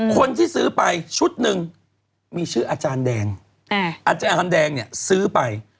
คนที่ซื้อไปชุดหนึ่งมีชื่ออาจารย์แดงอาจารย์อามแดงเนี่ยซื้อไป